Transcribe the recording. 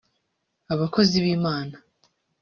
abakozi b’Imana